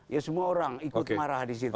ya semua orang ikut marah di situ